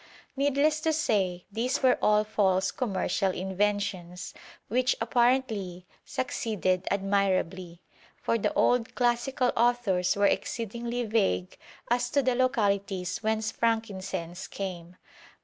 Needless to say, these were all false commercial inventions, which apparently succeeded admirably, for the old classical authors were exceedingly vague as to the localities whence frankincense came.